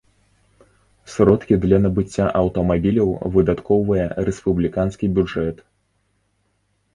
Сродкі для набыцця аўтамабіляў выдаткоўвае рэспубліканскі бюджэт.